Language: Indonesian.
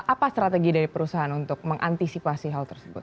apa strategi dari perusahaan untuk mengantisipasi hal tersebut